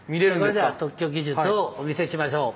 それでは特許技術をお見せしましょう。